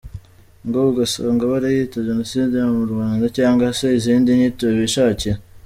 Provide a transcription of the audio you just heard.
Ngo ugasanga barayita jenoside yo mu Rwanda cyangwa se izindi nyito bishakiye.